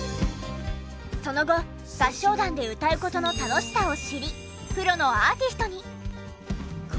その後合唱団で歌う事の楽しさを知りプロのアーティストに。